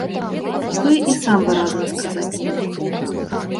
Той і сам выразна сказаць не мог.